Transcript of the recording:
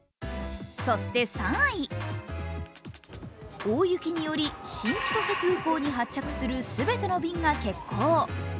そして３位、大雪により新千歳空港に発着する全ての便が欠航し。